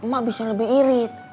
emak bisa lebih irit